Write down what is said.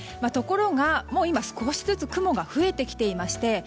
ところが、いま少しずつ雲が増えてきていまして